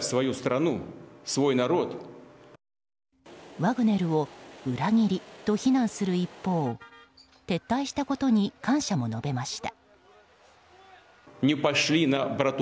ワグネルを裏切りと非難する一方撤退したことに感謝も述べました。